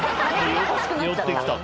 寄ってきたか。